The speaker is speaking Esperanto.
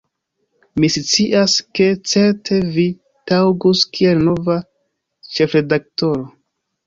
"Mi scias, ke certe vi taŭgus kiel nova ĉefredaktoro.